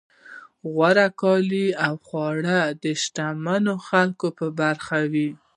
غوره کالي او خواړه د شتمنو خلکو په برخه وي.